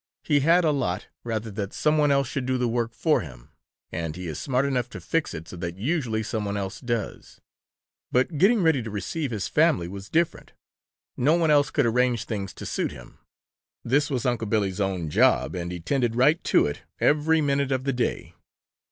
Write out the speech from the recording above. He had a lot rather that some one else should do the work for him, and he is smart enough to fix it so that usually some one else does. But getting ready to receive his family was different. No one else could arrange things to suit him. This was Unc' Billy's own job, and he tended right to it every minute of the day.